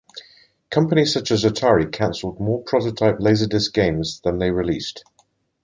Companies such as Atari canceled more prototype Laserdisc games than they released.